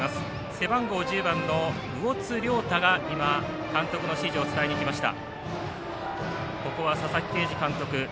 背番号１０番の魚津颯汰が今、監督の指示を伝えに行きました。